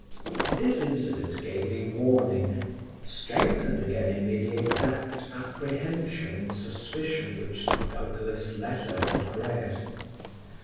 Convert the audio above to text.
This incident gave me warning, strengthened again in me the exact apprehension and suspicion which the Douglas letter had bred.